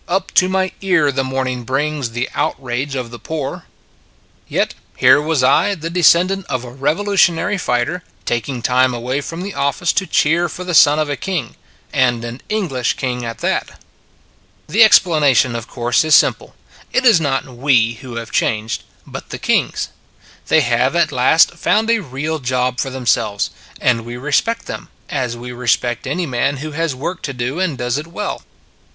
Up to my ear the morning brings The outrage of the poor." 7 8 Yet here was I, the descendant of a Revolutionary fighter, taking time away from the office to cheer for the son of a King, and an English King at that. The explanation, of course, is simple. It is not we who have changed, but the kings. They have at last found a real job for themselves, and we respect them, as we respect any man who has work to do and does it well.